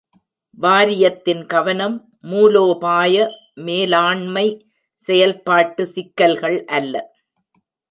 வாரியத்தின் கவனம் மூலோபாய மேலாண்மை, செயல்பாட்டு சிக்கல்கள் அல்ல.